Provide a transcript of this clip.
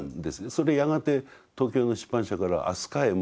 それやがて東京の出版社からああ